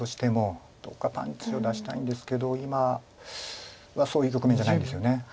どっかパンチを出したいんですけど今はそういう局面じゃないんですよね。